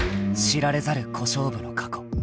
［知られざる小勝負の過去］